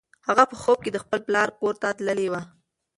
هغه په خوب کې د خپل پلار کور ته تللې وه.